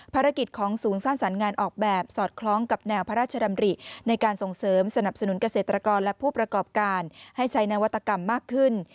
ภารกิจของศูนย์สร้างสรรค์งานออกแบบสอดคล้องกับแนวพระราชดำริในการส่งเสริมสนับสนุนเกษตรกรและผู้ประกอบการให้ใช้นวัตกรรมมากขึ้น